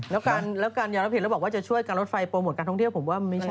แล้วการยอมรับผิดแล้วบอกว่าจะช่วยการลดไฟโปรโมทการท่องเที่ยวผมว่าไม่ใช่